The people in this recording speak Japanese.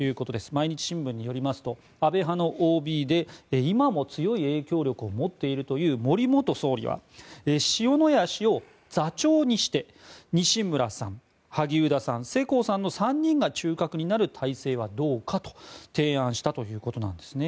毎日新聞によりますと安倍派のＯＢで今も強い影響力を持っているという森元総理は塩谷氏を座長にして西村さん、萩生田さん世耕さんの３人が中核になる体制はどうかと提案したということです。